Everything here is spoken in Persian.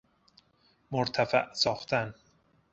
مرتفع ساختن